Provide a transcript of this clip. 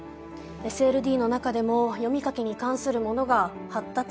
ＳＬＤの中でも読み書きに関するものが発達性読み書き障害。